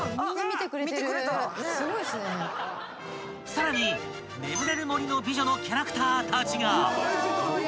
［さらに『眠れる森の美女』のキャラクターたちが］